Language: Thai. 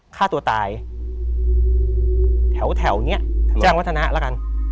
ฆ่าตัวตายแถวนี้แจ้งวัฒนะแล้วกัน